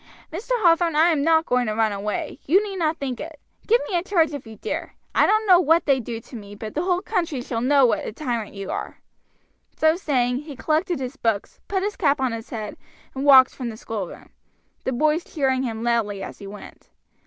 Mr. Hathorn, I am not going to run away, you need not think it. Give me in charge if you dare; I don't care what they do to me, but the whole country shall know what a tyrant you are." So saying, he collected his books, put his cap on his head, and walked from the schoolroom, the boys cheering him loudly as he went.